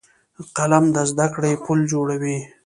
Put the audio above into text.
قلم د زده کړې پل جوړوي